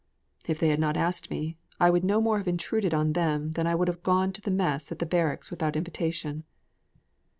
If they had not asked me, I would no more have intruded on them than I'd have gone to the mess at the barracks without invitation."